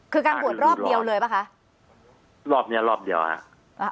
คือการบวชรอบเดียวเลยป่ะคะรอบเนี้ยรอบเดียวฮะอ่า